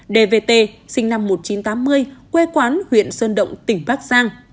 dv sinh năm một nghìn chín trăm tám mươi quê quán huyện sơn động tỉnh bắc giang